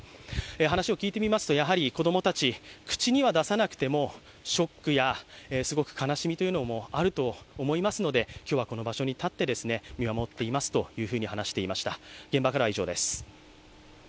話を聞いてみますと、やはり子供たち口には出さなくても、ショックやすごく悲しみというのもあると思いますので、今日はこの場所に立って見守っていますと話していました。